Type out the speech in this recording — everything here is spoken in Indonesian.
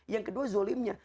yang kedua zolimnya